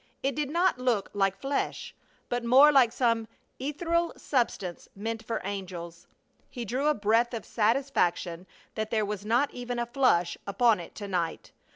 It did not look like flesh, but more like some ethereal substance meant for angels. He drew a breath of satisfaction that there was not even a flush upon it to night.